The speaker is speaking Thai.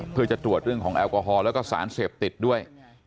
เพื่อจะตรวจเรื่องของแอลกอฮอลแล้วก็สารเสพติดด้วย